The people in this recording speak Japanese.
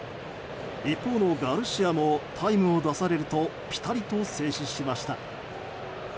一方のガルシアもタイムを出されるとピタリと制止しました。